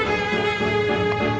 kamu ngapain disini